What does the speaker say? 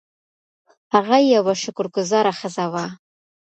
هغه یوه شکر ګذاره ښځه وه.